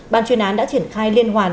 ban chuyên án đã triển khai liên hoàn